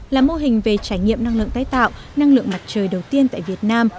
là mô hình về trải nghiệm năng lượng tái tạo năng lượng mặt trời đầu tiên tại việt nam